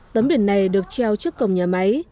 tấm biển này được treo trước cổng nhà máy